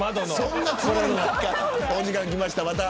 お時間きました。